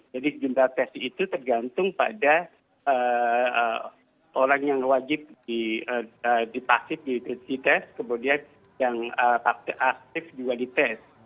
jadi jumlah tes itu tergantung pada orang yang wajib di pasif di tes kemudian yang aktif juga di tes